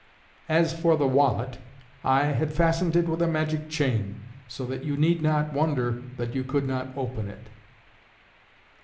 "As for the wallet, I had fastened it with a magic chain, so that you need not wonder that you could not open it.